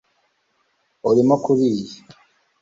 Urimo kuriyi